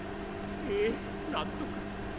ええなんとか。